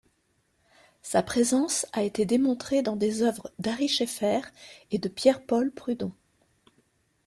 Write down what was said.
Sa présence a été démontrée dans des œuvres d'Ary Scheffer et de Pierre-Paul Prud'hon.